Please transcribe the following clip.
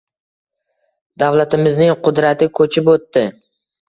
Davlatimizning qudrati koʻchib oʻtdi.